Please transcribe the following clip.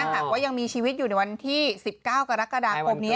หากว่ายังมีชีวิตอยู่ในวันที่๑๙กรกฎาคมนี้